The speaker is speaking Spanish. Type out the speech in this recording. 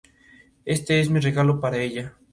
Este es mi regalo para ella.